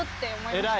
偉い。